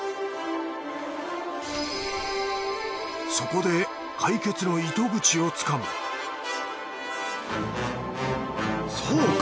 そこで解決の糸口をつかむそうか！